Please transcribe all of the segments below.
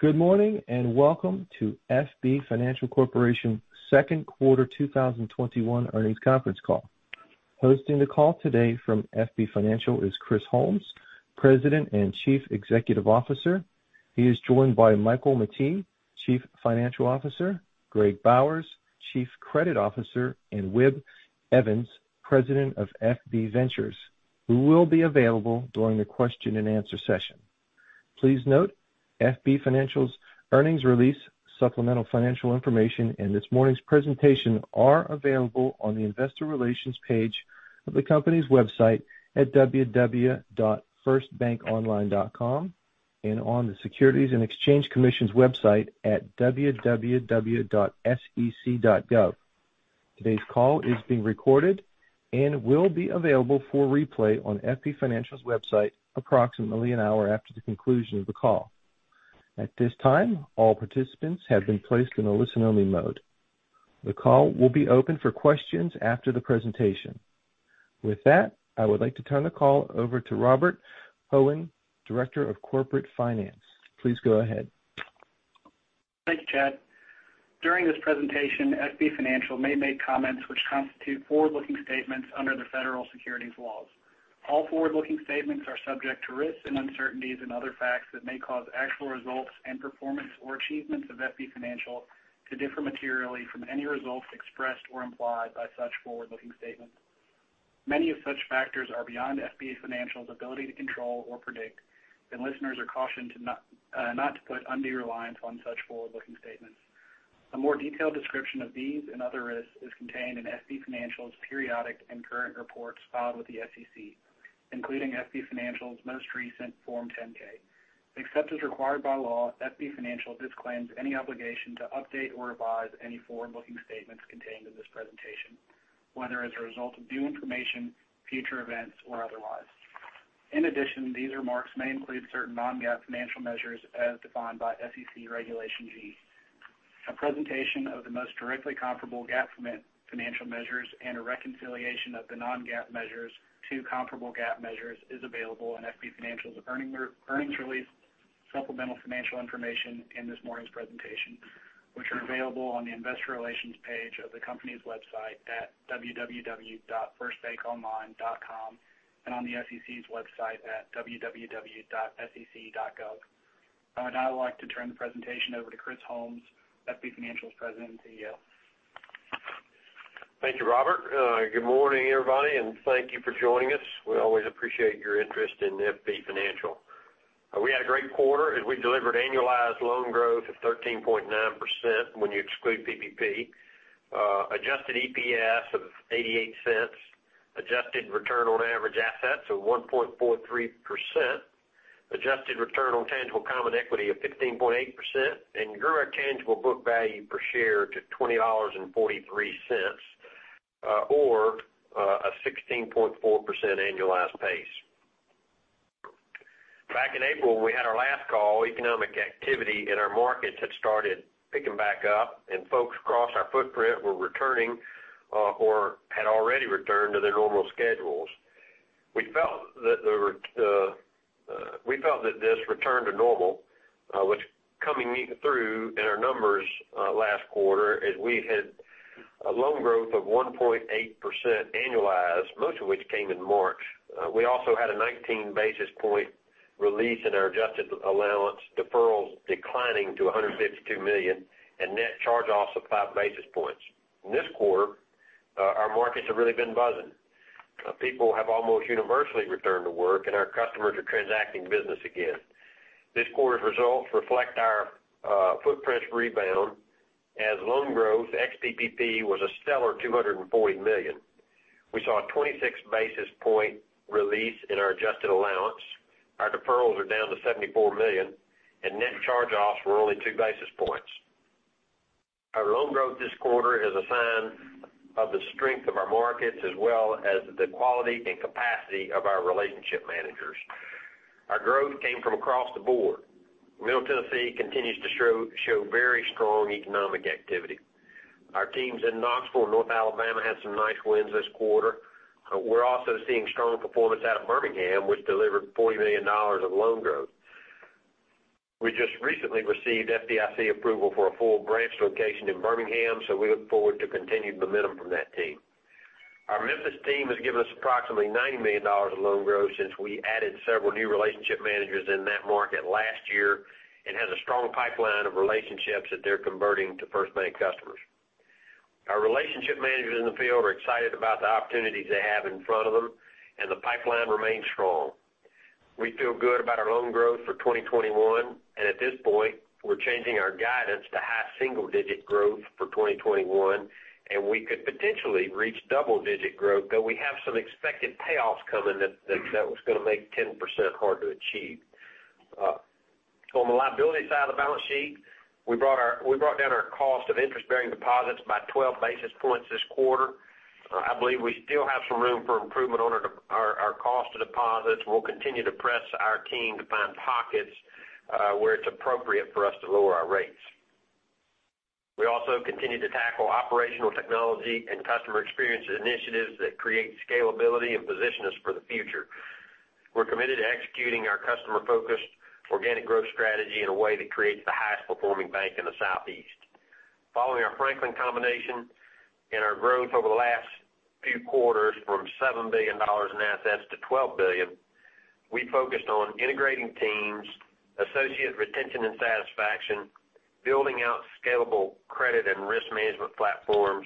Good morning, and welcome to FB Financial Corporation's second quarter 2021 earnings conference call. Hosting the call today from FB Financial is Chris Holmes, President and Chief Executive Officer. He is joined by Michael Mettee, Chief Financial Officer; Greg Bowers, Chief Credit Officer; and Wib Evans, President of FB Ventures, who will be available during the question and answer session. Please note, FB Financial's earnings release, supplemental financial information, and this morning's presentation are available on the investor relations page of the company's website at www.firstbankonline.com, and on the Securities and Exchange Commission's website at www.sec.gov. Today's call is being recorded and will be available for replay on FB Financial's website approximately an hour after the conclusion of the call. At this time, all participants have been placed in a listen-only mode. The call will be open for questions after the presentation. With that, I would like to turn the call over to Robert Hoehn, Director of Corporate Finance. Please go ahead. Thank you, Chad. During this presentation, FB Financial may make comments that constitute forward-looking statements under the federal securities laws. All forward-looking statements are subject to risks and uncertainties and other factors that may cause actual results and performance or achievements of FB Financial to differ materially from any results expressed or implied by such forward-looking statements. Many such factors are beyond FB Financial's ability to control or predict, and listeners are cautioned not to put undue reliance on such forward-looking statements. A more detailed description of these and other risks is contained in FB Financial's periodic and current reports filed with the SEC, including FB Financial's most recent Form 10-K. Except as required by law, FB Financial disclaims any obligation to update or revise any forward-looking statements contained in this presentation, whether as a result of new information, future events, or otherwise. In addition, these remarks may include certain non-GAAP financial measures as defined by SEC Regulation G. A presentation of the most directly comparable GAAP financial measures and a reconciliation of the non-GAAP measures to comparable GAAP measures is available in FB Financial's earnings release supplemental financial information in this morning's presentation, which is available on the investor relations page of the company's website at www.firstbankonline.com and on the SEC's website at www.sec.gov. I'd like to turn the presentation over to Chris Holmes, FB Financial's President and CEO. Thank you, Robert. Good morning, everybody, and thank you for joining us. We always appreciate your interest in FB Financial. We had a great quarter as we delivered annualized loan growth of 13.9% when you exclude PPP, adjusted EPS of $0.88, adjusted return on average assets of 1.43%, adjusted return on tangible common equity of 15.8%, and grew our tangible book value per share to $20.43, or a 16.4% annualized pace. Back in April, when we had our last call, economic activity in our markets had started picking back up, and folks across our footprint were returning or had already returned to their normal schedules. We felt that this return to normal was coming through in our numbers last quarter as we had loan growth of 1.8% annualized, most of which came in March. We also had a 19 basis point release in our adjusted allowance, deferrals declining to $152 million, and net charge-offs of 5 basis points. In this quarter, our markets have really been buzzing. People have almost universally returned to work, and our customers are transacting business again. This quarter's results reflect our footprint's rebound as loan growth ex-PPP was a stellar $240 million. We saw a 26 basis point release in our adjusted allowance. Our deferrals are down to $74 million, and net charge-offs were only 2 basis points. Our loan growth this quarter is a sign of the strength of our markets as well as the quality and capacity of our relationship managers. Our growth came from across the board. Middle Tennessee continues to show very strong economic activity. Our teams in Knoxville and North Alabama had some nice wins this quarter. We're also seeing strong performance out of Birmingham, which delivered $40 million of loan growth. We just recently received FDIC approval for a full branch location in Birmingham, so we look forward to continued momentum from that team. Our Memphis team has given us approximately $90 million of loan growth since we added several new relationship managers in that market last year and has a strong pipeline of relationships that they're converting to FirstBank customers. Our relationship managers in the field are excited about the opportunities they have in front of them, and the pipeline remains strong. We feel good about our loan growth for 2021, and at this point, we're changing our guidance to high single-digit growth for 2021, and we could potentially reach double-digit growth, though we have some expected payoffs coming that are going to make 10% hard to achieve. On the liabilities side of the balance sheet, we brought down our cost of interest-bearing deposits by 12 basis points this quarter. I believe we still have some room for improvement in our cost of deposits. We'll continue to press our team to find areas where it's appropriate for us to lower our rates. We also continue to tackle operational technology and customer experience initiatives that create scalability and position us for the future. We're committed to executing our customer-focused organic growth strategy in a way that creates the highest performing bank in the Southeast. Following our Franklin combination and our growth over the last few quarters from $7 billion in assets to $12 billion, we focused on integrating teams, associate retention and satisfaction, building out scalable credit and risk management platforms,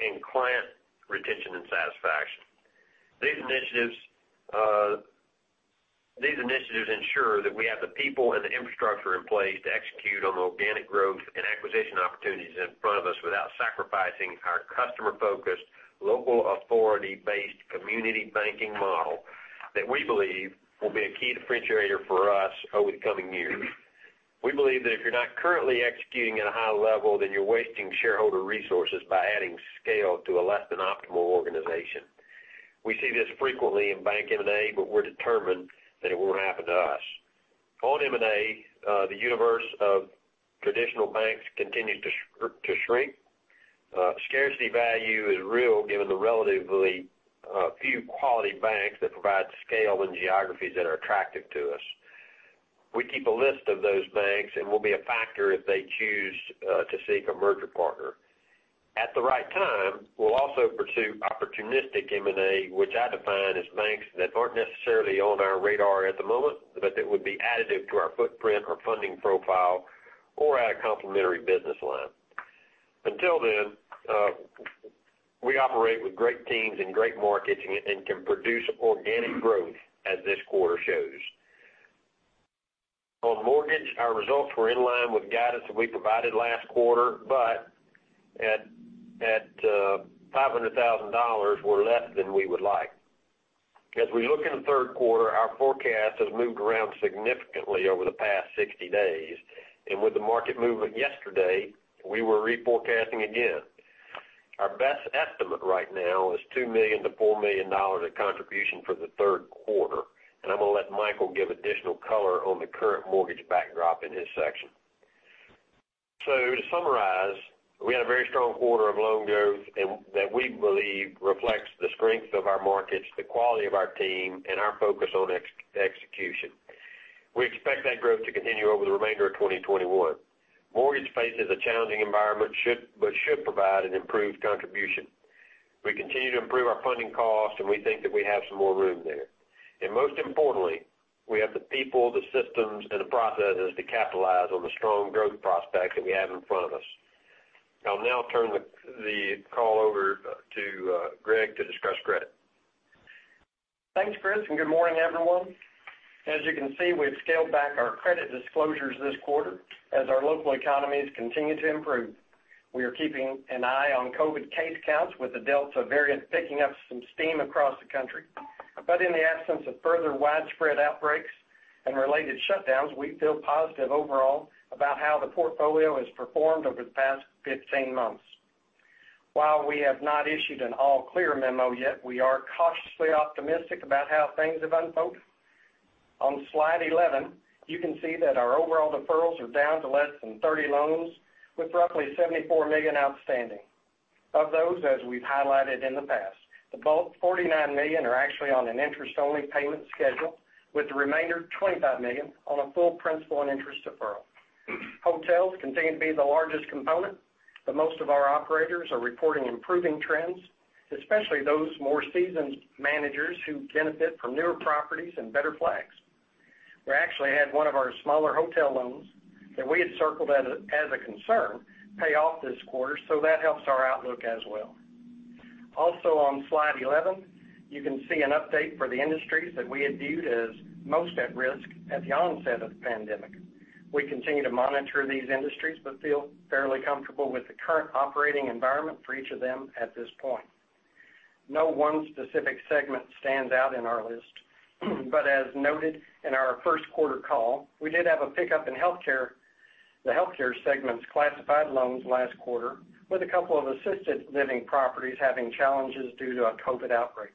and client retention and satisfaction. These initiatives ensure that we have the people and the infrastructure in place to execute on the organic growth and acquisition opportunities in front of us without sacrificing our customer-focused, local authority-based community banking model that we believe will be a key differentiator for us over the coming years. We believe that if you're not currently executing at a high level, then you're wasting shareholder resources by adding scale to a less-than-optimal organization. We see this frequently in bank M&A, but we're determined that it won't happen to us. On M&A, the universe of traditional banks continues to shrink. Scarcity value is real given the relatively few quality banks that provide scale and geographies that are attractive to us. We keep a list of those banks and we'll be a factor if they choose to seek a merger partner. At the right time, we'll also pursue opportunistic M&A, which I define as banks that aren't necessarily on our radar at the moment, but that would be additive to our footprint or funding profile or add a complementary business line. Until then, we operate with great teams and great markets and can produce organic growth as this quarter shows. On mortgage, our results were in line with guidance that we provided last quarter, but at $500,000, were less than we would like. As we look into the third quarter, our forecast has moved around significantly over the past 60 days, and with the market movement yesterday, we were reforecasting again. Our best estimate right now is $2 million-$4 million of contribution for the third quarter, and I'm going to let Michael give additional color on the current mortgage backdrop in his section. To summarize, we had a very strong quarter of loan growth that we believe reflects the strength of our markets, the quality of our team, and our focus on execution. We expect that growth to continue over the remainder of 2021. Mortgage faces a challenging environment but should provide an improved contribution. We continue to improve our funding costs, and we think that we have some more room there. Most importantly, we have the people, the systems, and the processes to capitalize on the strong growth prospects that we have in front of us. I'll now turn the call over to Greg to discuss credit. Thanks, Chris, and good morning, everyone. As you can see, we've scaled back our credit disclosures this quarter as our local economies continue to improve. We are keeping an eye on COVID case counts with the Delta variant picking up some steam across the country. In the absence of further widespread outbreaks and related shutdowns, we feel positive overall about how the portfolio has performed over the past 15 months. While we have not issued an all-clear memo yet, we are cautiously optimistic about how things have unfolded. On slide 11, you can see that our overall deferrals are down to less than 30 loans, with roughly $74 million outstanding. Of those, as we've highlighted in the past, the bulk, $49 million, are actually on an interest-only payment schedule, with the remainder, $25 million, on a full principal and interest deferral. Hotels continue to be the largest component, but most of our operators are reporting improving trends, especially those more seasoned managers who benefit from newer properties and better flags. We actually had one of our smaller hotel loans that we had circled as a concern pay off this quarter, so that helps our outlook as well. Also on slide 11, you can see an update for the industries that we had viewed as most at risk at the onset of the pandemic. We continue to monitor these industries but feel fairly comfortable with the current operating environment for each of them at this point. No one specific segment stands out in our list, but as noted in our first-quarter call, we did have a pickup in the healthcare segment's classified loans last quarter, with a couple of assisted living properties having challenges due to a COVID outbreak.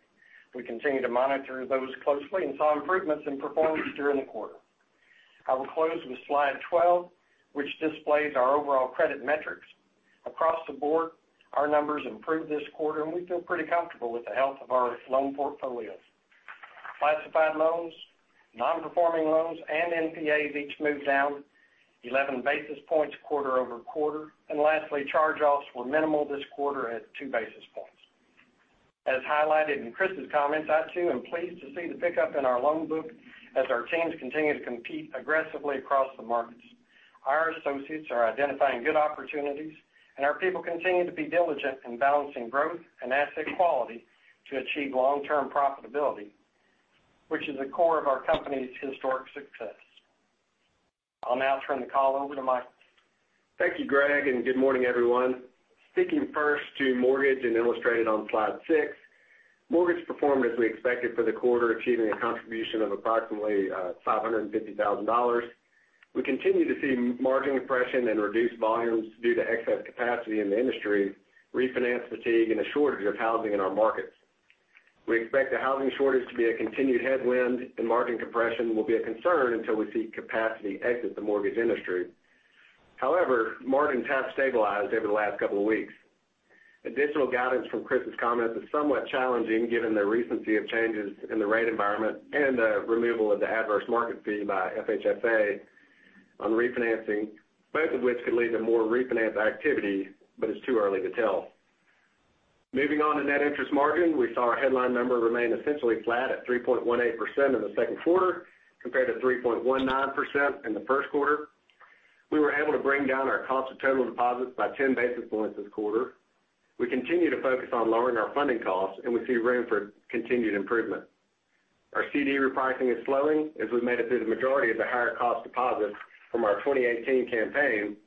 We continue to monitor these closely and saw improvements in performance during the quarter. I will close with slide 12, which displays our overall credit metrics. Across the board, our numbers improved this quarter, and we feel pretty comfortable with the health of our loan portfolios. Classified loans, non-performing loans, and NPAs each moved down 11 basis points quarter-over-quarter. Lastly, charge-offs were minimal this quarter at 2 basis points. As highlighted in Chris's comments, I too am pleased to see the pickup in our loan book as our teams continue to compete aggressively across the markets. Our associates are identifying good opportunities, and our people continue to be diligent in balancing growth and asset quality to achieve long-term profitability, which is the core of our company's historic success. I'll now turn the call over to Mike. Thank you, Greg, and good morning, everyone. Speaking first to mortgage and illustrated on slide 6, mortgage performed as we expected for the quarter, achieving a contribution of approximately $550,000. We continue to see margin compression and reduced volumes due to excess capacity in the industry, refinance fatigue, and a shortage of housing in our markets. We expect the housing shortage to be a continued headwind, and margin compression will be a concern until we see capacity exit the mortgage industry. However, margins have stabilized over the last couple of weeks. Additional guidance from Chris's comments is somewhat challenging given the recency of changes in the rate environment and the removal of the adverse market fee by FHFA on refinancing, both of which could lead to more refinance activity, but it's too early to tell. Moving on to net interest margin, we saw our headline number remain essentially flat at 3.18% in the second quarter compared to 3.19% in the first quarter. We were able to bring down our cost of total deposits by 10 basis points this quarter. We continue to focus on lowering our funding costs, and we see room for continued improvement. Our CD repricing is slowing as we've made it through the majority of the higher-cost deposits from our 2018 campaign.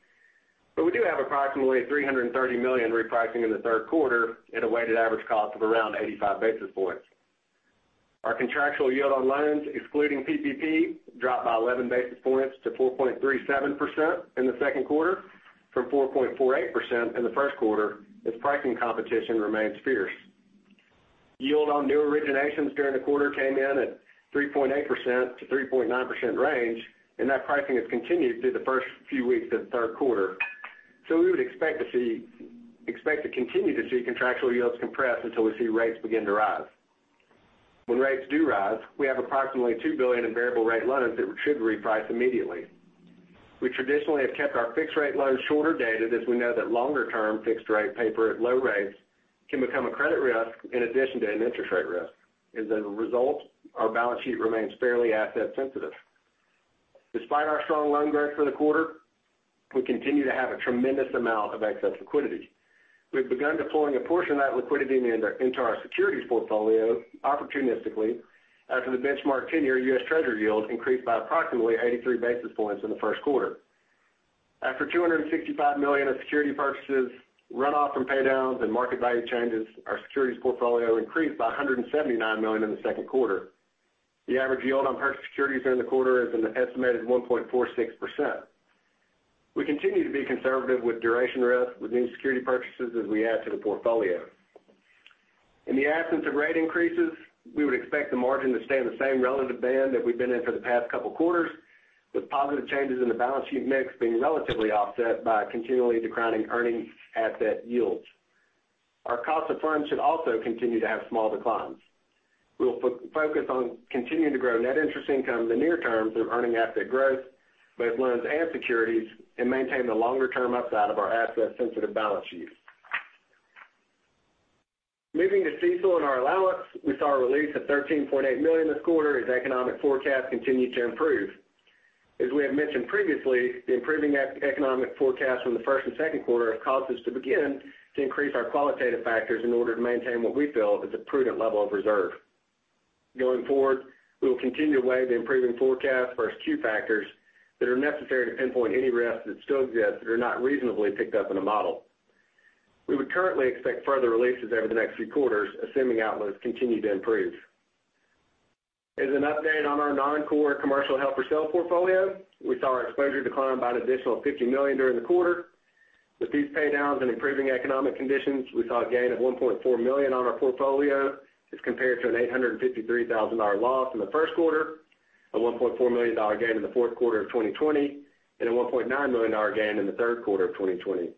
We do have approximately $330 million repricing in the third quarter at a weighted average cost of around 85 basis points. Our contractual yield on loans, excluding PPP, dropped by 11 basis points to 4.37% in the second quarter from 4.48% in the first quarter, as pricing competition remains fierce. Yield on new originations during the quarter came in at the 3.8%-3.9% range, and that pricing has continued through the first few weeks of the third quarter. We would expect to continue to see contractual yields compress until we see rates begin to rise. When rates do rise, we have approximately $2 billion in variable-rate loans that should reprice immediately. We have traditionally kept our fixed-rate loans shorter-dated, as we know that longer-term fixed-rate paper at low rates can become a credit risk in addition to an interest rate risk. As a result, our balance sheet remains fairly asset-sensitive. Despite our strong loan growth for the quarter, we continue to have a tremendous amount of excess liquidity. We've begun deploying a portion of that liquidity into our securities portfolio opportunistically after the benchmark 10-year U.S. Treasury yield increased by approximately 83 basis points in the first quarter. After $265 million of security purchases, runoff from paydowns, and market value changes, our securities portfolio increased by $179 million in the second quarter. The average yield on purchased securities during the quarter is an estimated 1.46%. We continue to be conservative with duration risk with new security purchases as we add to the portfolio. In the absence of rate increases, we would expect the margin to stay in the same relative band that we've been in for the past couple of quarters, with positive changes in the balance sheet mix being relatively offset by continually declining earning asset yields. Our cost of funds should also continue to have small declines. We will focus on continuing to grow net interest income in the near term through earning asset growth, both loans and securities, and maintain the longer-term upside of our asset-sensitive balance sheet. Moving to CECL and our allowance, we saw a release of $13.8 million this quarter as economic forecasts continued to improve. As we have mentioned previously, the improving economic forecast from the first and second quarter has caused us to begin to increase our qualitative factors in order to maintain what we feel is a prudent level of reserve. Going forward, we will continue to weigh the improving forecast versus Q factors that are necessary to pinpoint any risks that still exist that are not reasonably picked up in a model. We would currently expect further releases over the next few quarters, assuming outlooks continue to improve. As an update on our non-core commercial held-for-sale portfolio, we saw our exposure decline by an additional $50 million during the quarter. With these paydowns and improving economic conditions, we saw a gain of $1.4 million on our portfolio as compared to an $853,000 loss in the first quarter, a $1.4 million gain in the fourth quarter of 2020, and a $1.9 million gain in the third quarter of 2020.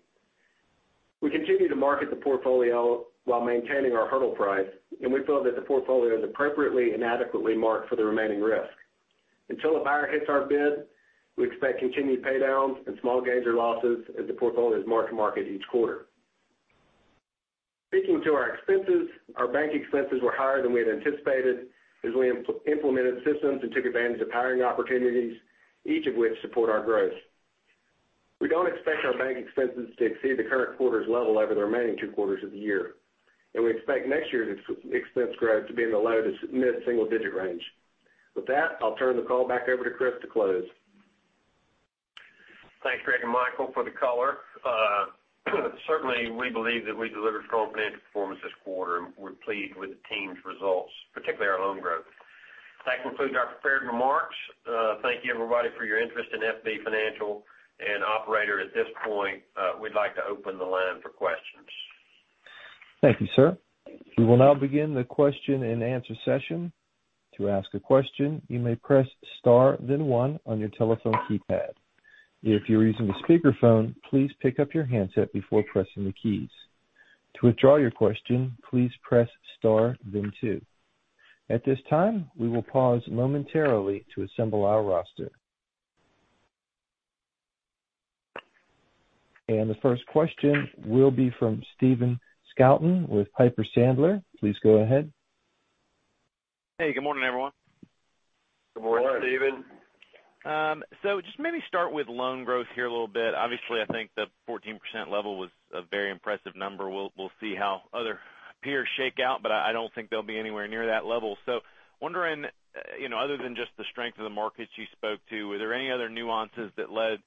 We continue to market the portfolio while maintaining our hurdle price, and we feel that the portfolio is appropriately and adequately marked for the remaining risk. Until a buyer hits our bid, we expect continued paydowns and small gains or losses as the portfolio is marked to market each quarter. Speaking of our expenses, our bank expenses were higher than we had anticipated as we implemented systems and took advantage of hiring opportunities, each of which supports our growth. We don't expect our bank expenses to exceed the current quarter's level over the remaining two quarters of the year, and we expect next year's expense growth to be in the low-to-mid-single-digit range. With that, I'll turn the call back over to Chris to close. Thanks, Greg and Michael, for the color. Certainly, we believe that we delivered strong financial performance this quarter, and we're pleased with the team's results, particularly our loan growth. That concludes our prepared remarks. Thank you, everybody, for your interest in FB Financial. Operator, at this point, we'd like to open the line for questions. Thank you, sir. We will now begin the question and answer session. The first question will be from Stephen Scouten with Piper Sandler. Please go ahead. Hey, good morning, everyone. Good morning. Good morning, Stephen. Just maybe start with loan growth here a little bit. Obviously, I think the 14% level was a very impressive number. We'll see how other peers shake out, but I don't think they'll be anywhere near that level. Wondering, other than just the strength of the markets you spoke to, were there any other nuances that led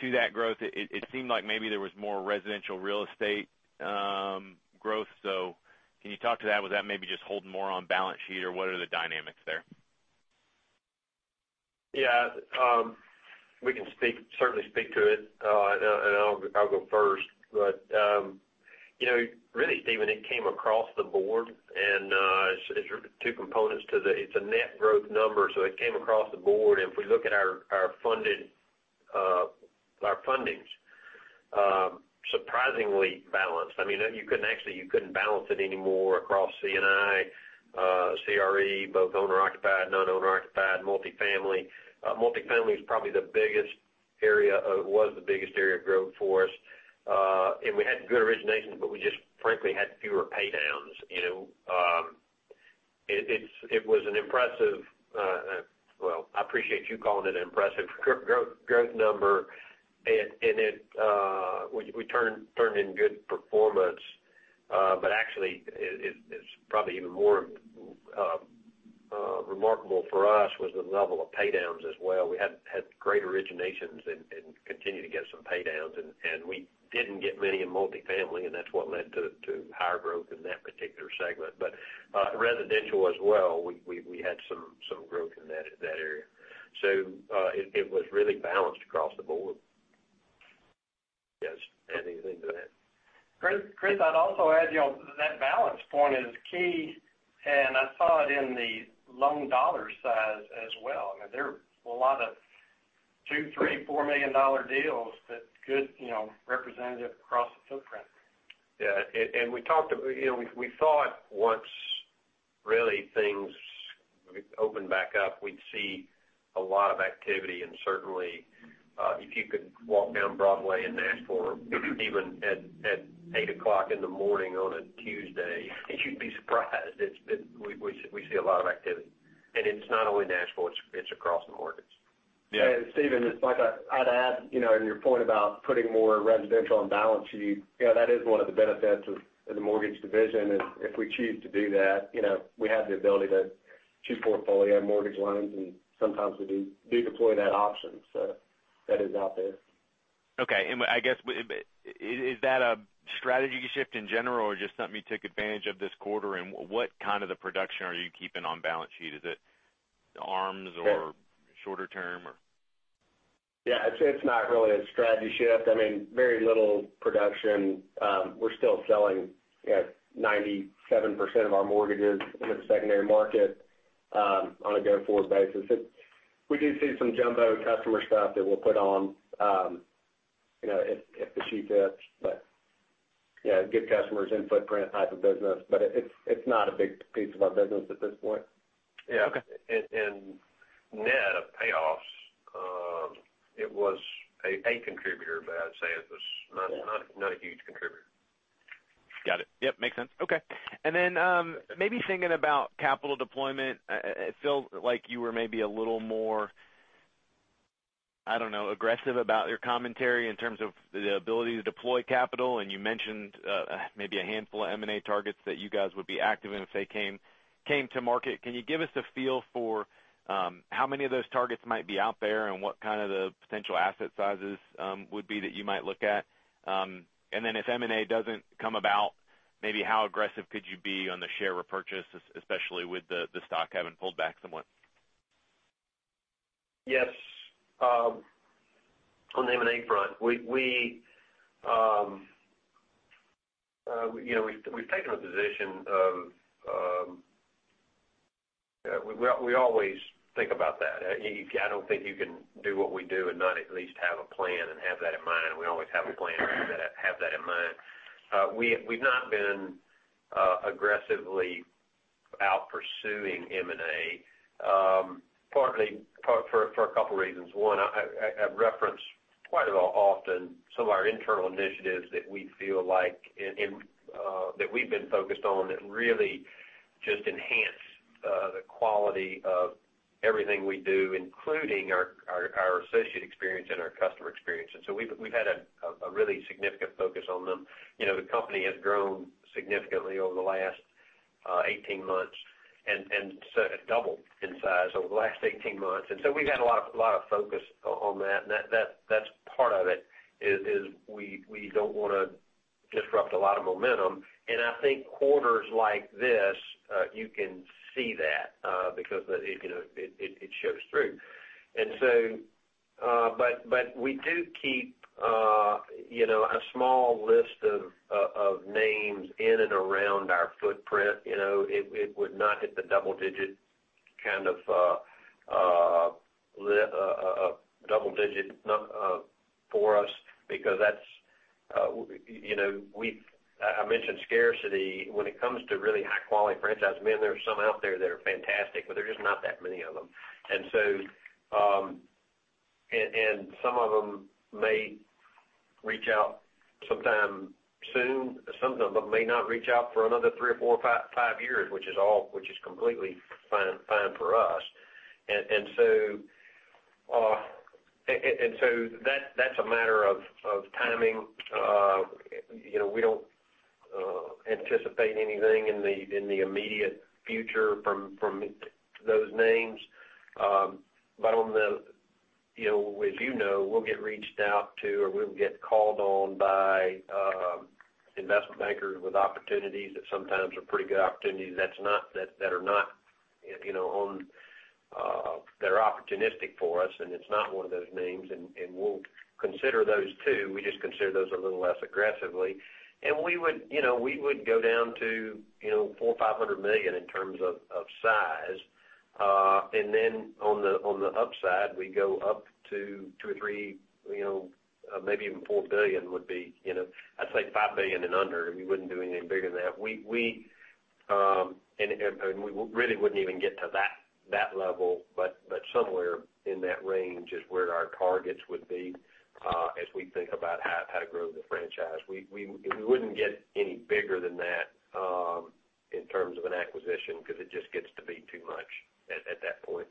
to that growth? It seemed like maybe there was more residential real estate growth. Can you talk to that? Was that maybe just holding more on the balance sheet, or what are the dynamics there? Yeah, we can certainly speak to it, and I'll go first. Really, Stephen, it came across the board. It's a net growth number, so it came across the board. If we look at our fundings, surprisingly balanced. You couldn't balance it anymore across C&I, CRE, both owner-occupied, non-owner-occupied, multifamily. Multifamily is probably the biggest area, or was the biggest area of growth for us. We had good originations, but we just frankly had fewer paydowns. Well, I appreciate you calling it an impressive growth number. We turned in good performance. Actually, what's probably even more remarkable for us was the level of paydowns as well. We had great originations and continued to get some paydowns, and we didn't get many in multifamily, and that's what led to higher growth in that particular segment. Residential as well, we had some growth in that area. It was really balanced across the board. Yes. Anything to add to that? Chris, I'd also add, that balance point is key, and I saw it in the loan dollar size as well. There are a lot of $2, $3, $4 million deals that represented it across the footprint. Yeah. We thought once things opened back up, we'd see a lot of activity. Certainly, if you could walk down Broadway in Nashville, even at 8:00 in the morning on a Tuesday, you'd be surprised. We see a lot of activity. It's not only Nashville, it's across the mortgage industry. Yeah. Stephen, I'd add to your point about putting more residential on the balance sheet that one of the benefits of the mortgage division is that if we choose to do that, we have the ability to choose portfolio mortgage loans. Sometimes we do deploy that option. That is out there. Okay. I guess, is that a strategy shift in general or just something you took advantage of this quarter? What kind of the production are you keeping on balance sheet? Is it ARMs or shorter term, or? Yeah. It's not really a strategy shift. Very little production. We're still selling 97% of our mortgages in the secondary market on a go-forward basis. We do see some jumbo customer stuff that we'll put on if the shoe fits. Good customers in footprint type of business, but it's not a big piece of our business at this point. Okay. Yeah. Net of payoffs, it was a contributor, but I'd say it was not a huge contributor. Got it. Yep, makes sense. Okay. Maybe thinking about capital deployment, it feels like you were maybe a little more, I don't know, aggressive about your commentary in terms of the ability to deploy capital. You mentioned maybe a handful of M&A targets that you guys would be active in if they came to market. Can you give us a feel for how many of those targets might be out there, and what kind of potential asset sizes would be that you might look at? If M&A doesn't come about, maybe how aggressive could you be on the share repurchase, especially with the stock having pulled back somewhat? Yes. On the M&A front, we've taken the position that we always think about that. I don't think you can do what we do and not at least have a plan and have that in mind. We always have a plan and have that in mind. We've not been aggressively pursuing M&A, partly for a couple of reasons. One, I've referenced quite often some of our internal initiatives that we feel enhance the quality of everything we do, including our associate experience and our customer experience. We've had a really significant focus on them. The company has grown significantly over the last 18 months and doubled in size over the last 18 months. We've had a lot of focus on that. That's part of it; we don't want to disrupt a lot of momentum. I think in quarters like this, you can see that because it shows through. We do keep a small list of names in and around our footprint. It would not hit double digits for us because, as I mentioned, scarcity. When it comes to really high-quality franchises, man, there are some out there that are fantastic, but there are just not that many of them. Some of them may reach out sometime soon. Some of them may not reach out for another three, four, or five years, which is completely fine for us. That's a matter of timing. We don't anticipate anything in the immediate future from those names. As you know, we'll be reached out to or called on by investment bankers with opportunities that sometimes are pretty good and opportunistic for us, and it's not one of those names, and we'll consider those too. We just consider those a little less aggressively. We would go down to $400 million, $500 million in terms of size. On the upside, we go up to $2 billion or $3 billion, maybe even $4 billion, I'd say $5 billion and under. We wouldn't do anything bigger than that. We really wouldn't even get to that level. Somewhere in that range is where our targets would be, as we think about how to grow the franchise. We wouldn't get any bigger than that, in terms of an acquisition, because it just gets to be too much at that point.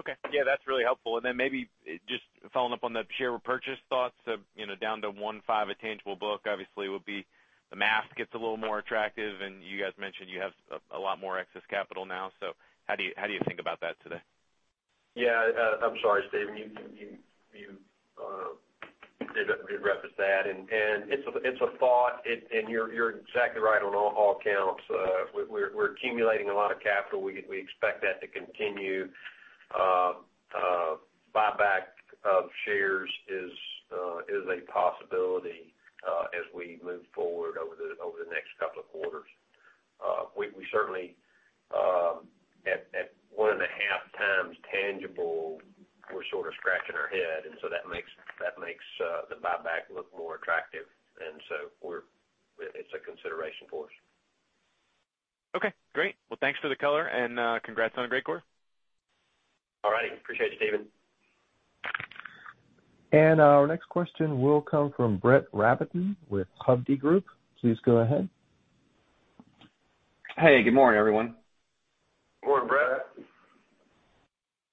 Okay. Yeah, that's really helpful. Maybe just following up on the share repurchase thoughts, down to 1.5 at tangible book, obviously the math gets a little more attractive, and you guys mentioned you have a lot more excess capital now. How do you think about that today? Yeah. I'm sorry, Stephen, you did reference that, and it's a thought, and you're exactly right on all accounts. We're accumulating a lot of capital. We expect that to continue. Buyback of shares is a possibility as we move forward over the next two quarters. We certainly, at 1.5 times tangible, are sort of scratching our head, and so that makes the buyback look more attractive, and so it's a consideration for us. Okay, great. Well, thanks for the color and congrats on a great quarter. All right. Appreciate it, Stephen. Our next question will come from Brett Rabatin with Hovde Group. Please go ahead. Hey, good morning, everyone. Good morning, Brett.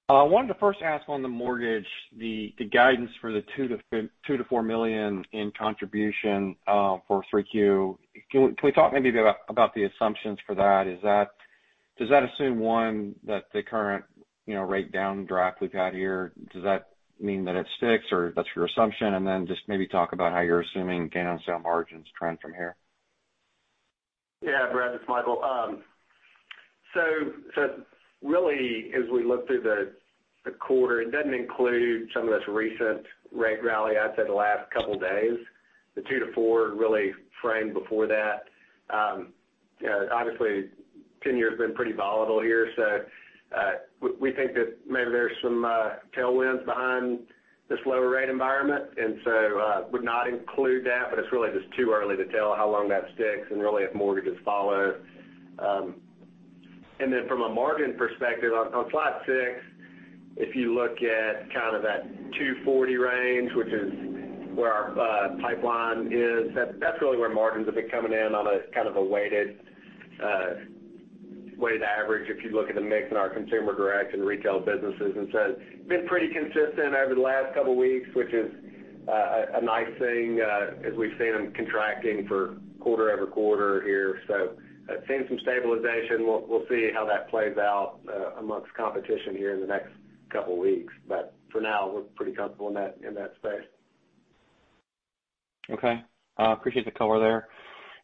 I wanted to first ask about the mortgage, the guidance for the $2 million-$4 million in contribution for Q3. Can we talk maybe about the assumptions for that? Does that assume, first, that the current rate downdraft we've had here sticks, or is that your assumption? Then, just maybe talk about how you're assuming gain-on-sale margins trend from here. Yeah, Brett, it's Michael. Really, as we look through the quarter, it doesn't include some of this recent rate rally, I'd say, in the last couple of days. The $2 million-$4 million really framed before that. Obviously, the 10-year has been pretty volatile here, so we think that maybe there are some tailwinds behind this lower rate environment, and so we would not include that, but it's really just too early to tell how long that sticks and really if mortgages follow. From a margin perspective, on slide 6, if you look at kind of that 240 range, which is where our pipeline is, that's really where margins have been coming in on a kind of a weighted average, if you look at the mix in our consumer direct and retail businesses. Been pretty consistent over the last couple of weeks, which is a nice thing, as we've seen them contracting quarter-over-quarter here. Seeing some stabilization. We'll see how that plays out among the competition here in the next couple of weeks. For now, we're pretty comfortable in that space. Okay. I appreciate the color there.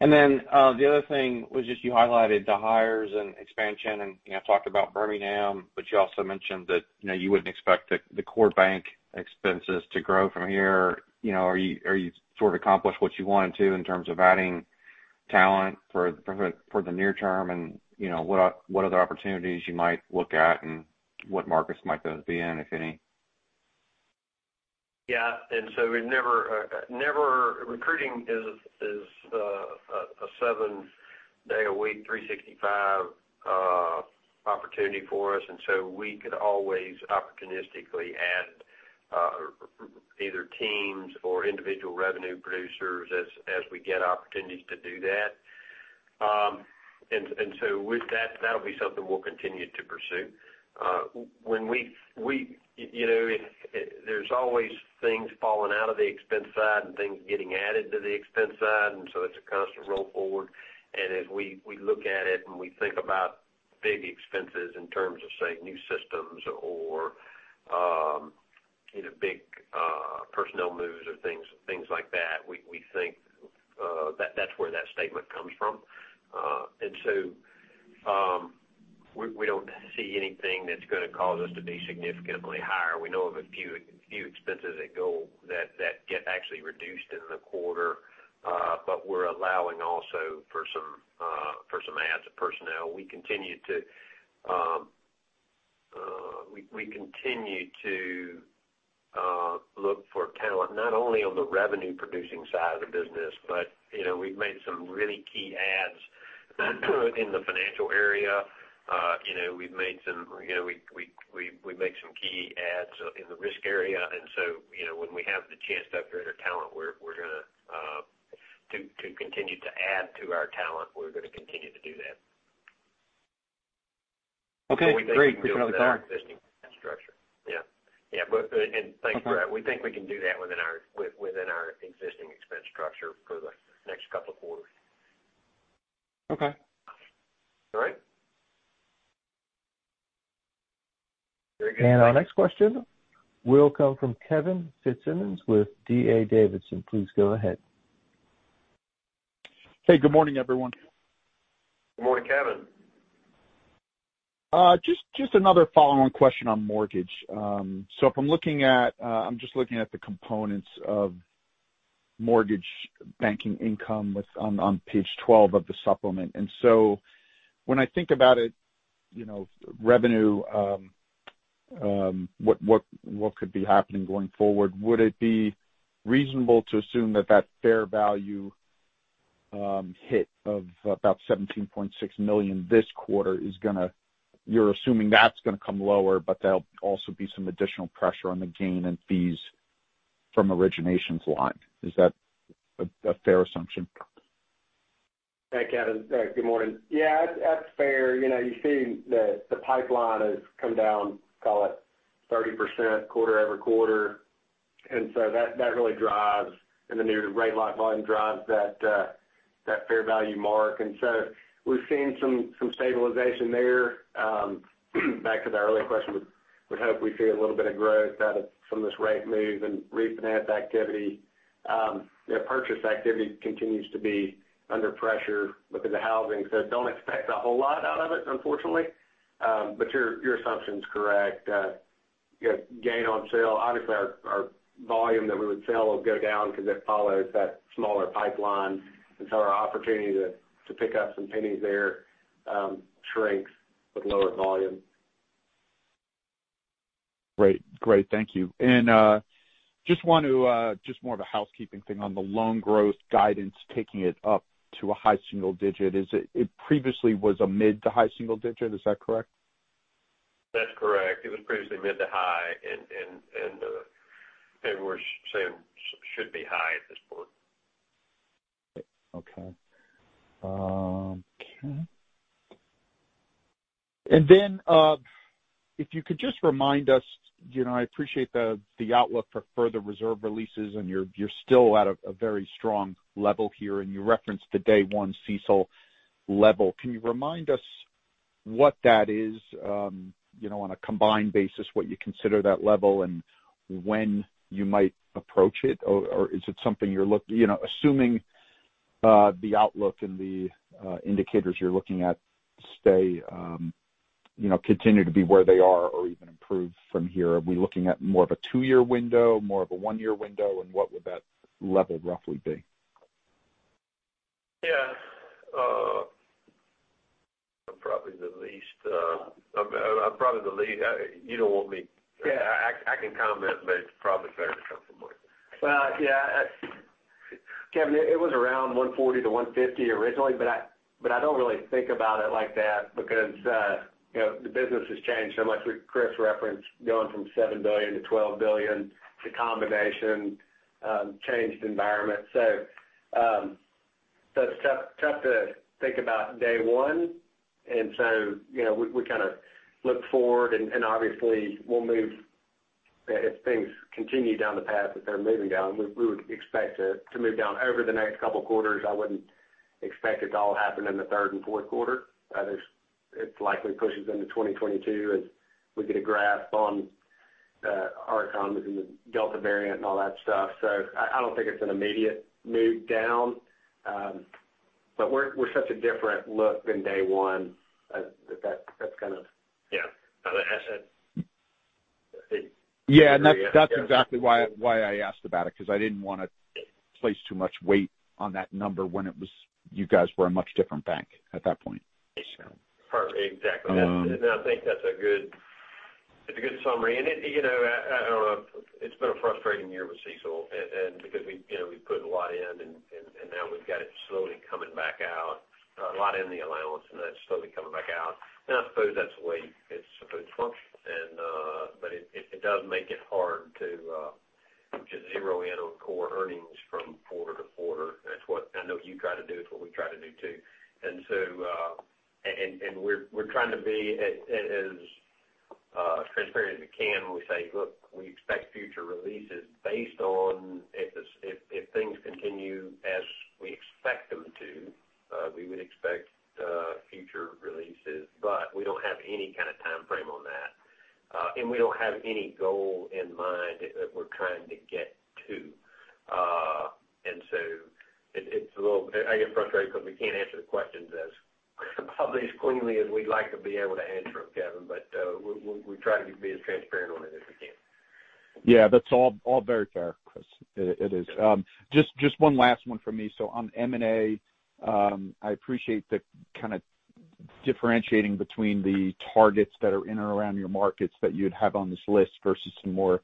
The other thing was, you highlighted the hires and expansion and talked about Birmingham, but you also mentioned that you wouldn't expect the core bank expenses to grow from here. Have you accomplished what you wanted to in terms of adding talent for the near term? What other opportunities might you look at, and in what markets might those be, if any? Recruiting is a 7-day-a-week, 365-day opportunity for us. We could always opportunistically add either teams or individual revenue producers as we get opportunities to do so. That'll be something we'll continue to pursue. There are always things falling out of the expense side and things getting added to the expense side, and so it's a constant roll forward. As we look at it and we think about big expenses in terms of, say, new systems or big personnel moves or things like that, that's where that statement comes from. We don't see anything that's going to cause us to be significantly higher. We know of a few expenses that actually get reduced in the quarter. We're also allowing for some personnel additions. We continue to look for talent, not only on the revenue-producing side of the business, but we've made some really key additions in the financial area. We've made some key additions in the risk area. When we have the chance to upgrade our talent, to continue to add to our talent, we're going to continue to do that. Okay, great. Appreciate the color. Within our existing expense structure. Yeah. Thanks, Brett. We think we can do that within our existing expense structure for the next couple of quarters. Okay. All right. Our next question will come from Kevin Fitzsimmons with D.A. Davidson. Please go ahead. Hey, good morning, everyone. Good morning, Kevin. Just another follow-on question on mortgages. If I'm just looking at the components of mortgage banking income on page 12 of the supplement, when I think about revenue, what could be happening going forward? Would it be reasonable to assume that the fair value hit of about $17.6 million this quarter, you're assuming that's going to come lower, but there'll also be some additional pressure on the gain and fees from originations line? Is that a fair assumption? Hey, Kevin. Good morning. Yeah, that's fair. You're seeing the pipeline has come down, call it 30% quarter-over-quarter. That really drives, and the rate lock volume drives that fair value mark. We've seen some stabilization there. Back to that earlier question, we hope we see a little bit of growth out of some of this rate move and refinance activity. Purchase activity continues to be under pressure within the housing, so don't expect a whole lot out of it, unfortunately. Your assumption's correct. Gain on sale. Obviously, our volume that we would sell will go down because it follows that smaller pipeline. Our opportunity to pick up some pennies there shrinks with lower volume. Great. Thank you. Just more of a housekeeping thing on the loan growth guidance, taking it up to a high single digit. It previously was a mid to high single digit. Is that correct? That's correct. It was previously mid to high and we're saying should be high at this point. Okay. If you could just remind us, I appreciate the outlook for further reserve releases, and you're still at a very strong level here, and you referenced the day 1 CECL level. Can you remind us what that is on a combined basis, what you consider that level, and when you might approach it? Or is it something you're assuming the outlook and the indicators you're looking at continue to be where they are or even improve from here? Are we looking at more of a 2-year window, more of a 1-year window, and what would that level roughly be? Yeah. You don't want me. Yeah. I can comment, but it's probably fair to come from Mike. Well, yeah. Kevin, it was around 140-150 originally. I don't really think about it like that because the business has changed so much, what Chris referenced, going from $7 billion to $12 billion. It's a combination, a changed environment. It's tough to think about day one. We kind of look forward, and obviously we'll move. If things continue down the path that they're moving down, we would expect to move down over the next couple quarters. I wouldn't expect it to all happen in the third and fourth quarter. It likely pushes into 2022 as we get a grasp on our economy and the Delta variant and all that stuff. I don't think it's an immediate move down. We're such a different look than day one, that's kind of it. Yeah. On the asset. Yeah, that's exactly why I asked about it, because I didn't want to place too much weight on that number when you guys were a much different bank at that point. Exactly. I think that's a good summary. It's been a frustrating year with CECL, because we put a lot in, and now we've got it slowly coming back out. A lot in the allowance, it's slowly coming back out. I suppose that's the way it's supposed to function. It does make it hard to zero in on core earnings from quarter to quarter. That's what I know you try to do. It's what we try to do, too. We're trying to be as transparent as we can when we say, look, we expect future releases based on if things continue as we expect them to, we would expect future releases. We don't have any kind of timeframe on that. We don't have any goal in mind that we're trying to get to. I get frustrated because we can't answer the questions as cleanly as we'd like to be able to answer them, Kevin. We try to be as transparent on it as we can. Yeah. That's all very fair, Chris. It is. Just one last one from me. On M&A, I appreciate the kind of differentiating between the targets that are in or around your markets that you'd have on this list versus some more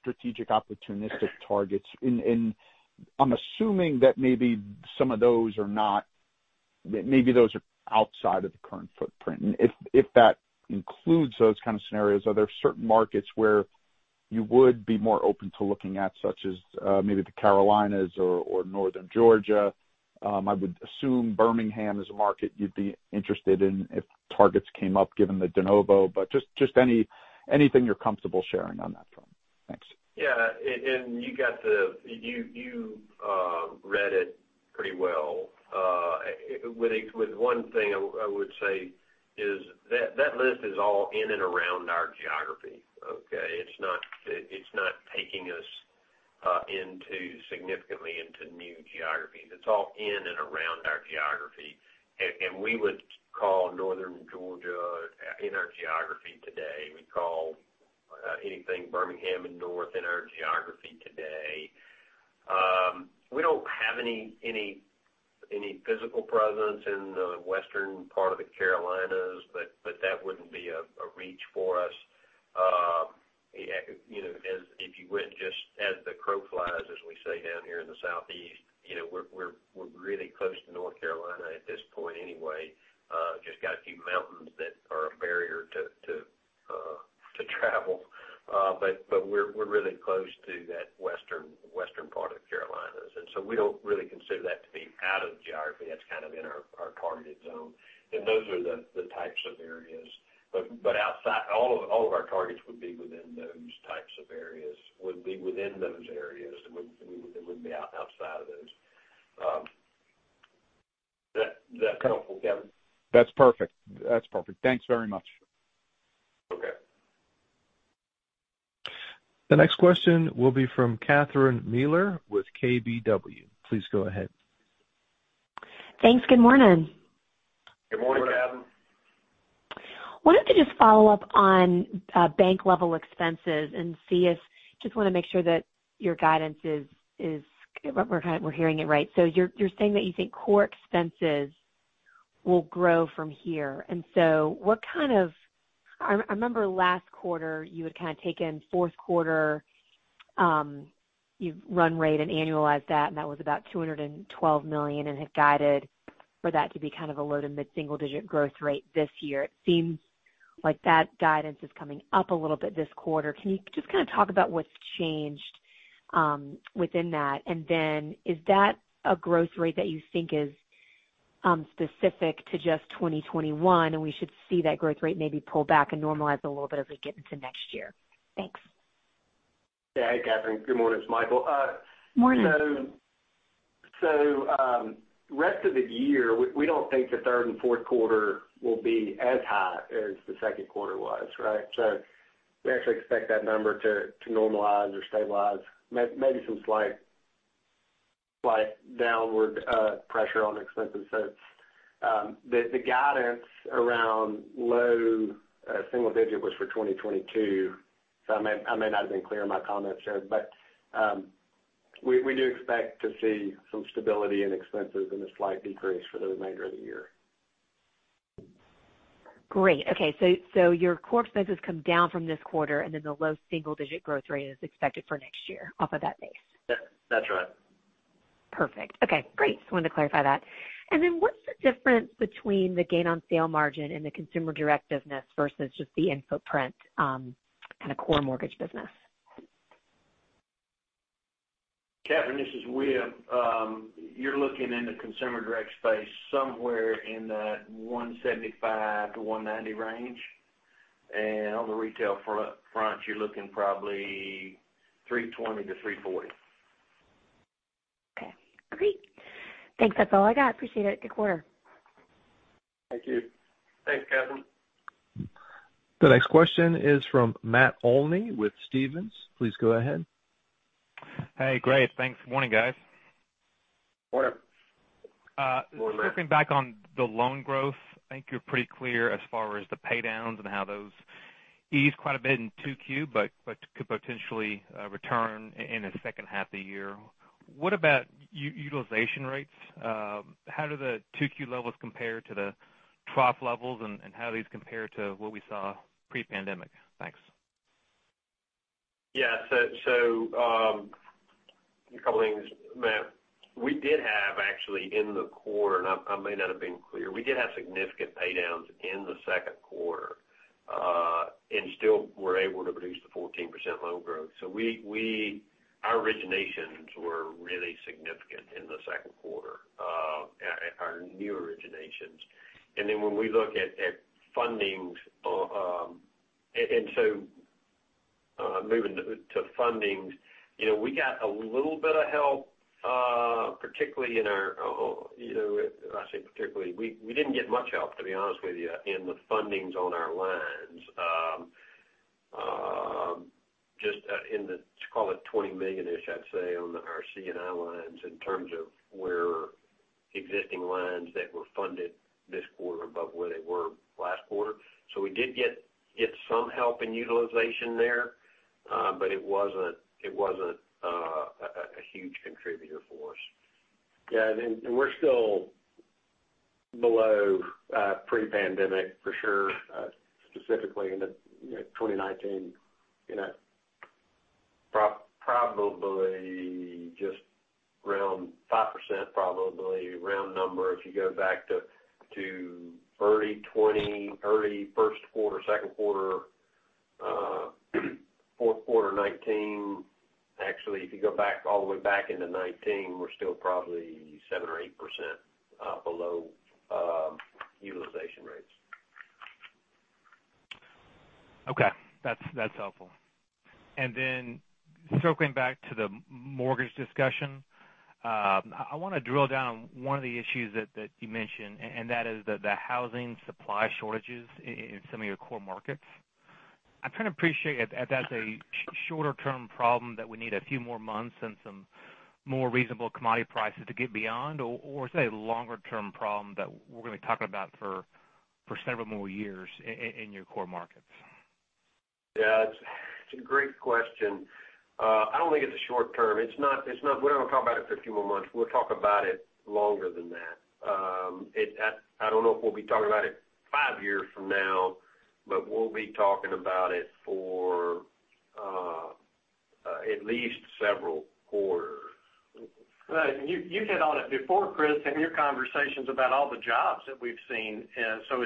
strategic opportunistic targets. I'm assuming that maybe some of those are outside of the current footprint. If that includes those kinds of scenarios, are there certain markets where you would be more open to looking at, such as maybe the Carolinas or northern Georgia? I would assume Birmingham is a market you'd be interested in if targets came up, given the de novo. Just anything you're comfortable sharing on that front. Yeah, you read it pretty well. One thing I would say is that list is all in and around our geography. Okay. It's not taking us significantly into new geographies. It's all in and around our geography. We would call Northern Georgia in our geography today. We'd call anything Birmingham and north in our geography today. We don't have any physical presence in the western part of the Carolinas, but that wouldn't be a reach for us. really close to that western part of the Carolinas. We don't really consider that to be out of the geography. That's kind of in our targeted zone. Those are the types of areas. All of our targets would be within those types of areas, wouldn't be within those areas, they wouldn't be outside of those. Is that helpful, Kevin? That's perfect. Thanks very much. Okay. The next question will be from Catherine Mealor with KBW. Please go ahead. Thanks. Good morning. Good morning, Catherine. Wanted to just follow up on bank-level expenses and just want to make sure that your guidance is, we're hearing it right. You're saying that you think core expenses will grow from here. I remember last quarter, you had kind of taken fourth quarter, you've run rate and annualized that, and that was about $212 million, and had guided for that to be kind of a low to mid-single-digit growth rate this year. It seems like that guidance is coming up a little bit this quarter. Can you just kind of talk about what's changed within that? Is that a growth rate that you think is specific to just 2021, and we should see that growth rate maybe pull back and normalize a little bit as we get into next year? Thanks. Yeah. Hey, Catherine. Good morning. It's Michael. Morning. For the rest of the year, we don't think the third and fourth quarters will be as high as the second quarter was, right? We actually expect that number to normalize or stabilize, perhaps with some slight downward pressure on expenses. The guidance around low single-digits was for 2022. I may not have been clear in my comments there, but we do expect to see some stability in expenses and a slight decrease for the remainder of the year. Great. Okay. Your core expenses come down from this quarter. The low single digit growth rate is expected for next year off of that base. That's right. Perfect. Okay, great. Just wanted to clarify that. Then what's the difference between the gain-on-sale margin in the consumer direct business versus just the in-footprint, kind of core mortgage business? Catherine, this is Wib. You're looking in the consumer direct space, somewhere in the $175-$190 range. On the retail front, you're looking probably $320-$340. Okay, great. Thanks. That's all I got. Appreciate it. Good quarter. Thank you. Thanks, Catherine. The next question is from Matt Olney with Stephens. Please go ahead. Hey, great, thanks. Good morning, guys. Morning. Morning. Circling back to loan growth, I think you're pretty clear as far as the paydowns and how those eased quite a bit in Q2, but could potentially return in the second half of the year. What about utilization rates? How do the Q2 levels compare to the trough levels, and how do these compare to what we saw pre-pandemic? Thanks. A couple of things, Matt. We did actually have significant paydowns in the quarter, and I may not have been clear, but we did have significant paydowns in the second quarter and still were able to produce 14% loan growth. Our originations were really significant in the second quarter—our new originations. Moving to fundings, we got a little bit of help, particularly in our... we didn't get much help, to be honest with you, in the fundings on our lines. It was just in the, let's call it, $20 million-ish, I'd say, on our C&I lines in terms of existing lines that were funded this quarter above where they were last quarter. We did get some help in utilization there. It wasn't a huge contributor for us. Yeah. We're still below pre-pandemic for sure. Specifically in the 2019. Probably just around 5%, a round number. If you go back to early first quarter, second quarter, fourth quarter 2019, actually, if you go all the way back into 2019, we're still probably 7% or 8% below utilization rates. Okay, that's helpful. Circling back to the mortgage discussion, I want to drill down on one of the issues that you mentioned, and that is the housing supply shortages in some of your core markets. I'm trying to appreciate if that's a shorter-term problem that we need a few more months and some more reasonable commodity prices to get beyond, or is that a longer-term problem that we're going to be talking about for several more years in your core markets? Yeah. It's a great question. I don't think it's short-term. We're not going to talk about it for a few more months. We'll talk about it longer than that. I don't know if we'll be talking about it five years from now, but we'll be talking about it for at least several quarters. Right. You hit on it before, Chris, in your conversations about all the jobs that we've seen,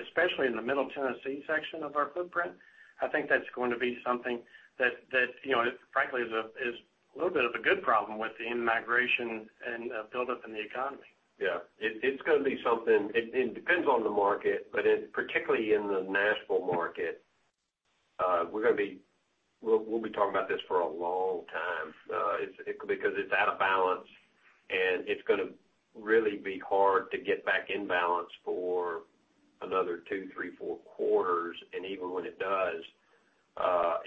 especially in the Middle Tennessee section of our footprint. I think that's going to be something that, frankly, is a little bit of a good problem with the in-migration and buildup in the economy. It depends on the market, but particularly in the Nashville market, we'll be talking about this for a long time. It's out of balance, and it's going to be really hard to get back in balance for another two, three, or four quarters, and even when it does,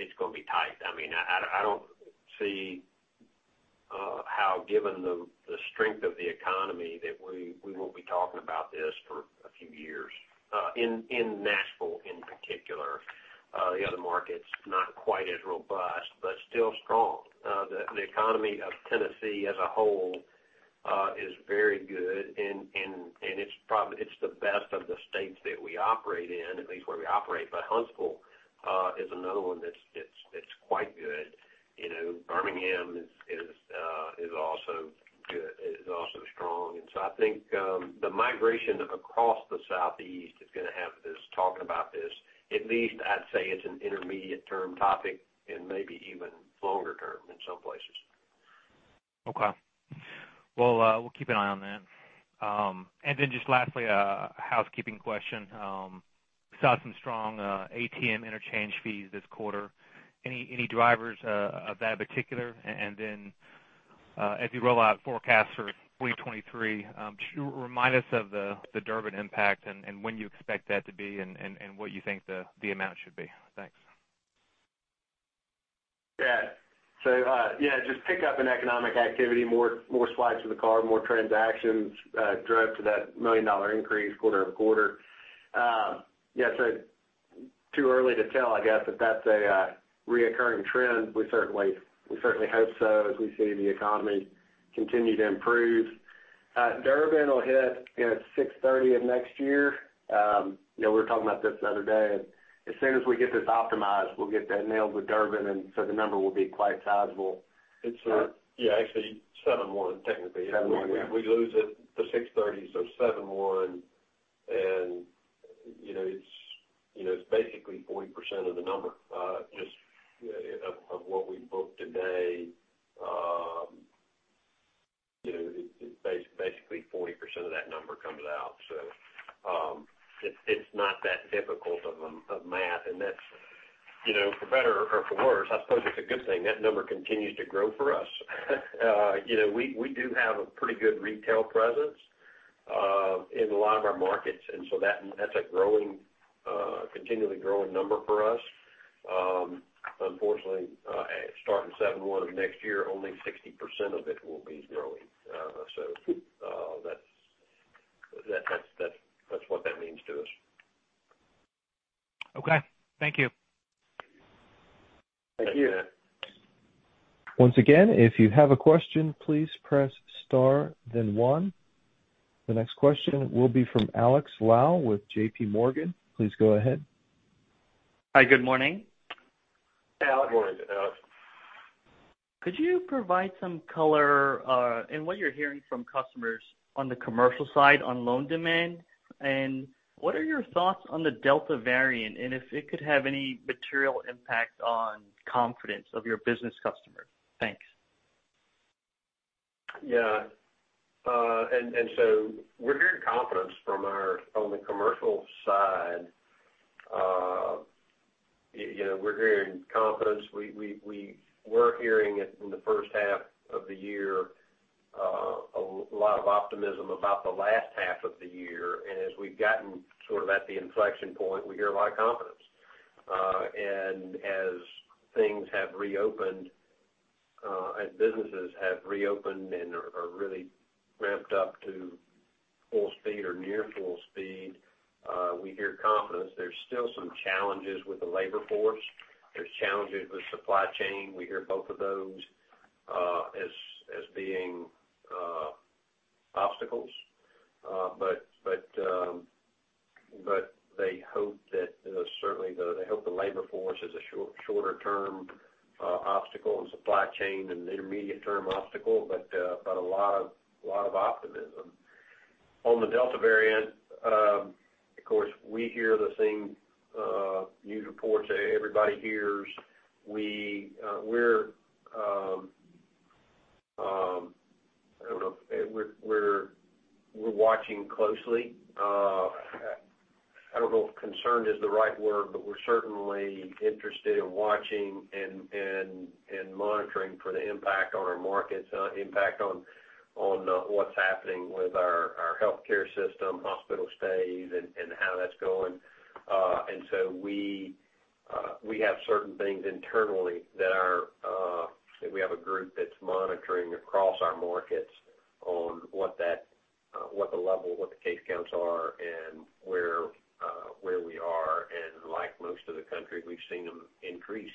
it's going to be tight. I don't see how, given the strength of the economy, we won't be talking about this for a few years, in Nashville in particular. The other markets aren't quite as robust, but still strong. The economy of Tennessee as a whole is very good, and it's the best of the states that we operate in, at least where we operate. Huntsville is another one that's quite good. Birmingham is also good; it's also strong. I think the migration across the Southeast is going to have us talking about this, at least I'd say it's an intermediate term topic and maybe even longer term in some places. Okay. Well, we'll keep an eye on that. Just lastly, a housekeeping question. Saw some strong ATM interchange fees this quarter. Any drivers of that in particular? As you roll out forecasts for 2023, remind us of the Durbin impact and when you expect that to be, and what you think the amount should be. Thanks. Yeah. Just pick up in economic activity, more swipes of the card, more transactions drove to that $1 million increase quarter-over-quarter. Yeah, too early to tell, I guess, if that's a recurring trend. We certainly hope so as we see the economy continue to improve. Durbin will hit 06/30 of next year. We were talking about this the other day, as soon as we get this optimized, we'll get that nailed with Durbin. The number will be quite sizable. Yeah, actually 7/1, technically. 7/1, yeah. We lose it on 6/30, so 7/1, and it's basically 40% of the number. Just of what we book today, basically 40% of that number comes out. It's not that difficult of math. For better or for worse, I suppose it's a good thing that number continues to grow for us. We do have a pretty good retail presence in a lot of our markets, and so that's a continually growing number for us. Unfortunately, starting 7/1 of next year, only 60% of it will be growing. That's what that means to us. Okay. Thank you. Thank you. Thank you. Once again, if you have a question, please press star then 1. The next question will be from Alex Lau with JPMorgan. Please go ahead. Hi, good morning. Good morning, Alex. Could you provide some color on what you're hearing from customers on the commercial side regarding loan demand? What are your thoughts on the Delta variant, and if it could have any material impact on the confidence of your business customers? Thanks. Yeah. We're hearing confidence from the commercial side. We're hearing confidence. We were hearing it in the first half of the year, a lot of optimism about the last half of the year. As we've gotten sort of at the inflection point, we hear a lot of confidence. As things have reopened, as businesses have reopened and are really ramped up to full speed or near full speed, we hear confidence. There are still some challenges with the labor force. There are challenges with the supply chain. We hear both of those as being obstacles. They hope the labor force is a shorter-term obstacle, and the supply chain an intermediate-term obstacle. A lot of optimism. On the Delta variant, of course, we hear the same news reports that everybody hears. We're watching closely. I don't know if "concerned" is the right word; we're certainly interested in watching and monitoring the impact on our markets, the impact on what's happening with our healthcare system, hospital stays, and how that's going. We have certain internal measures; we have a group that's monitoring across our markets what the level, what the case counts are, and where we are. Like most of the country, we've seen them increase.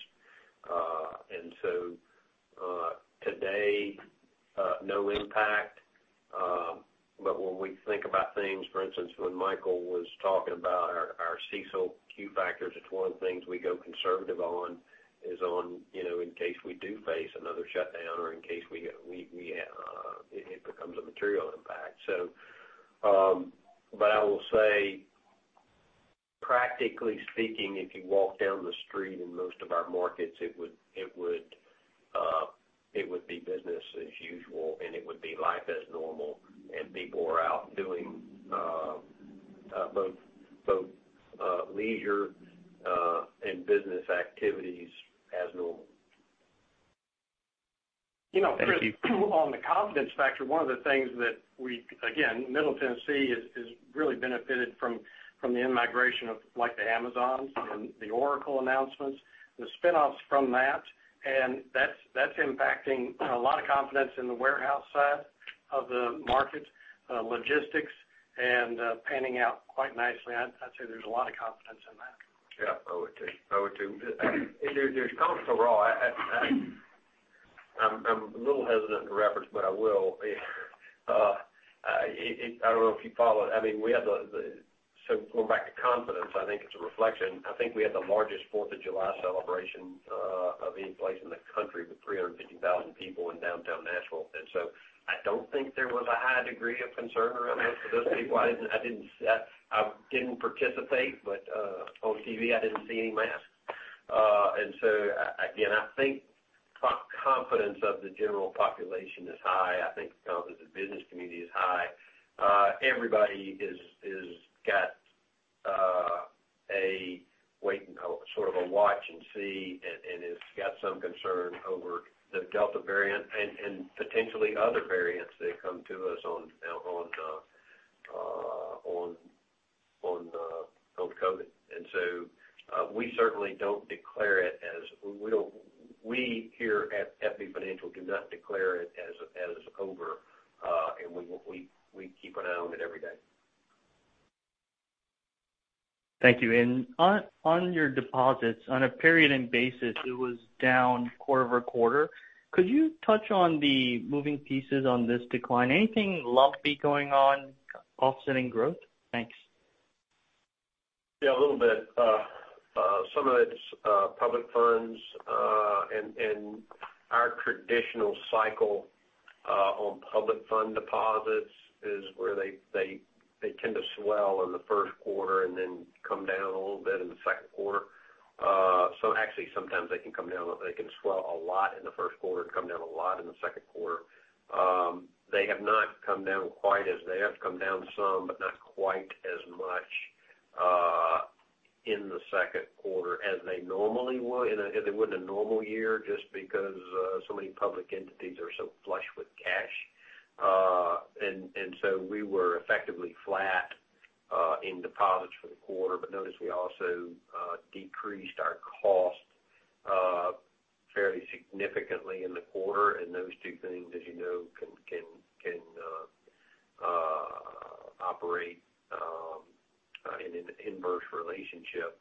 Today, there's no impact. When we think about things, for instance, when Michael was talking about our CECL Q factors, it's one of the things we go conservative on in case we do face another shutdown or in case it becomes a material impact. I will say, practically speaking, if you walk down the street in most of our markets, it would be business as usual, and it would be life as normal, and people are out doing both leisure and business activities as normal. Thank you. Chris, on the confidence factor, one of the things that Middle Tennessee has really benefited from is the in-migration of Amazon and Oracle, and the spinoffs from that. That's impacting a lot of confidence in the warehouse side of the market and logistics, and it's panning out quite nicely. I'd say there's a lot of confidence in that. Yeah, I would too. When it comes to raw, I'm a little hesitant to reference, but I will. I don't know if you follow. Going back to confidence, I think it's a reflection. I think we had the largest Fourth of July celebration of any place in the country, with 350,000 people in downtown Nashville. I don't think there was a high degree of concern around that for those people. I didn't participate, but on TV, I didn't see any masks. Again, I think confidence of the general population is high. I think confidence of the business community is high. Everybody has got a wait and sort of a watch and see, and has got some concern over the Delta variant and potentially other variants that come to us on COVID. We here at FB Financial do not declare it as over. We keep an eye on it every day. Thank you. On your deposits, on a period-end basis, it was down quarter-over-quarter. Could you touch on the moving pieces of this decline? Anything lumpy going on offsetting growth? Thanks. Yeah, a little bit. Some of it's public funds. Our traditional cycle on public fund deposits is where they tend to swell in the first quarter and then come down a little bit in the second quarter. Actually, sometimes they can swell a lot in the first quarter and come down a lot in the second quarter. They have come down some, but not quite as much in the second quarter as they normally would in a normal year, just because so many public entities are so flush with cash. We were effectively flat in deposits for the quarter. Notice we also decreased our cost fairly significantly in the quarter, and those two things, as you know, can operate in an inverse relationship.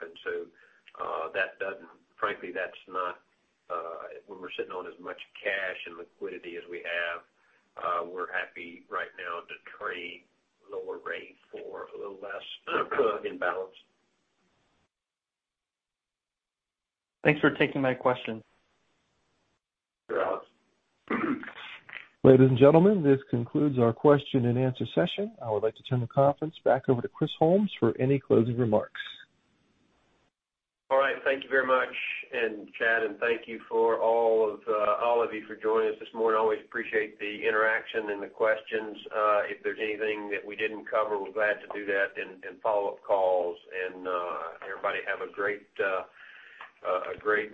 Frankly, when we're sitting on as much cash and liquidity as we have, we're happy right now to trade lower rates for a little less imbalance. Thanks for taking my question. Sure. Ladies and gentlemen, this concludes our question and answer session. I would like to turn the conference back over to Chris Holmes for any closing remarks. All right. Thank you very much, Chad, and thank you to all of you for joining us this morning. I always appreciate the interaction and the questions. If there's anything that we didn't cover, we're glad to do that in follow-up calls. Everybody have a great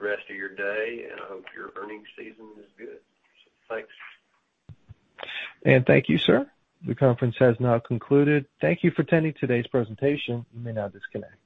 rest of your day, and I hope your earnings season is good. Thanks. Thank you, sir. The conference has now concluded. Thank you for attending today's presentation. You may now disconnect.